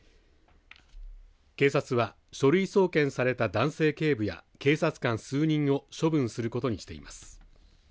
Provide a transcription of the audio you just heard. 警察は書類送検された男性警部や警察官数人を処分することにしています。